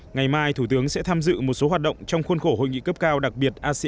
ngày mai thủ tướng sẽ tham dự một số hoạt động trong khuôn khổ hội nghị cấp cao đặc biệt asean